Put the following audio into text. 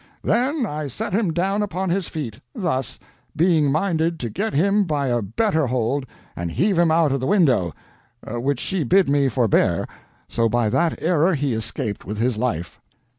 "Then I set him down upon his feet—thus—being minded to get him by a better hold and heave him out of the window, but she bid me forbear, so by that error he escaped with his life.